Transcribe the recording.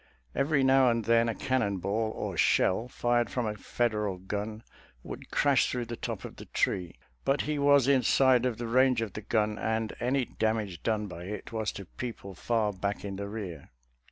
Every now and then a cannon ball or shell, fired from a Federal gun, would crash through the top of the tree ; but he was inside of the range of the gun, and any damage done by it was to people far back in the rear.